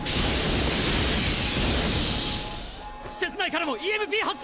施設内からもＥＭＰ発生！